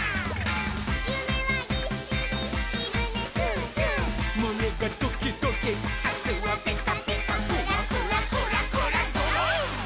「ゆめはぎっしりひるねすーすー」「むねがドキドキ」「あすはピカピカ」「クラクラクラクラドロン！」